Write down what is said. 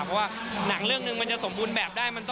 เพราะว่าหนังเรื่องหนึ่งมันจะสมบูรณ์แบบได้